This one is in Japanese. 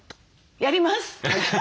やります！